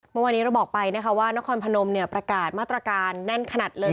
เมื่อวานนี้เราบอกไปนะคะว่านครพนมเนี่ยประกาศมาตรการแน่นขนาดเลย